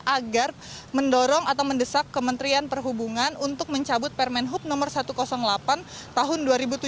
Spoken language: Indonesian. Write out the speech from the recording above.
agar mendorong atau mendesak kementerian perhubungan untuk mencabut permen hub no satu ratus delapan tahun dua ribu tujuh belas